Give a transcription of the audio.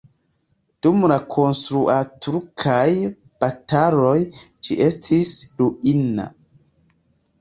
Dum la kontraŭturkaj bataloj ĝi estis ruina.